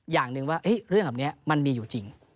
อย่างหนึ่งว่าเรื่องแบบนี้มันมีอยู่จริง